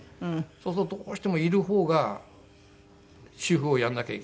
そうするとどうしてもいる方が主夫をやらなきゃいけないわけで。